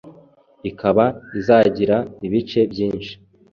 ikaba izagira ibice byinshi